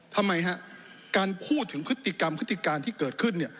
ทำไมฮะการพูดถึงพฤติกรรมพฤติการที่เกิดขึ้น